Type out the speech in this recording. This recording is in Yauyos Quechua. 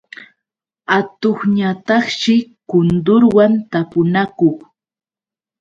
Atuqñataqshi kundurwan tapunakuq.